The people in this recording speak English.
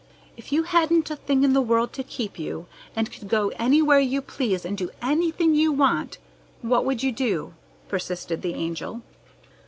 If you hadn't a thing in the world to keep you, and could go anywhere you please and do anything you want, what would you do?" persisted the Angel.